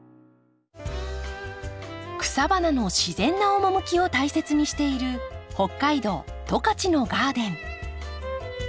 草花の自然な趣を大切にしている北海道十勝のガーデン。